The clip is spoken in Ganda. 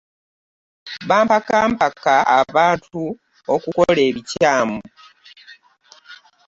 Bapankapanka abantu okukola ebikyamu .